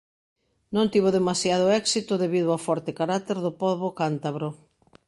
Non tivo demasiado éxito debido ao forte carácter do pobo cántabro.